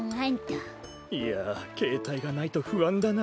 いやけいたいがないとふあんだな。